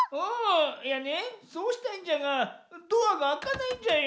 いやねそうしたいんじゃがドアがあかないんじゃよ。